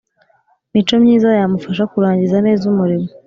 mico myiza yamufasha kurangiza neza umurimo